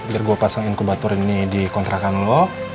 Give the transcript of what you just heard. biar gue pasang inkubator ini di kontrak kamu